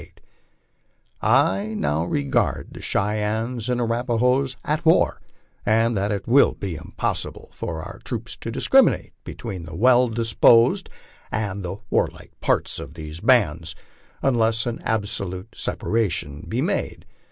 5 I now regard the Cheyennes and Arapahoes at war, and that it will be impossible for our troops to discriminate between the well disposed and the warlike parts of these bands, unless an absolute separation be made.